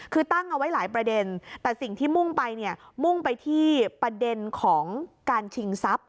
คือตั้งเอาไว้หลายประเด็นแต่สิ่งที่มุ่งไปเนี่ยมุ่งไปที่ประเด็นของการชิงทรัพย